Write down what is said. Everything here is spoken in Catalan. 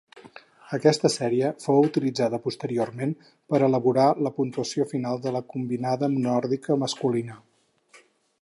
Aquesta sèrie fou utilitzada posteriorment per elaborar la puntuació final de la combinada nòrdica masculina.